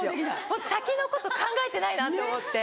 ホント先のこと考えてないなって思って。